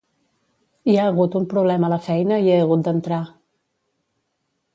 Hi ha hagut un problema a la feina i he hagut d'entrar.